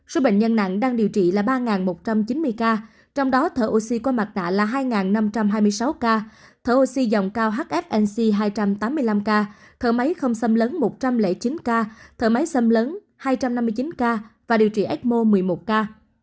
số bệnh nhân nặng đang điều trị là ba một trăm chín mươi ca trong đó thở oxy có mặt tại là hai năm trăm hai mươi sáu ca thở oxy dòng cao hfnc hai trăm tám mươi năm ca thở máy không xâm lấn một trăm linh chín ca thở máy xâm lấn hai trăm năm mươi chín ca và điều trị ecmo một mươi một ca